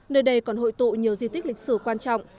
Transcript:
nơi đây còn hội tụ nhiều di tích lịch sử quan trọng